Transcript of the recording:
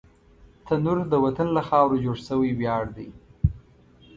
تنور د وطن له خاورو جوړ شوی ویاړ دی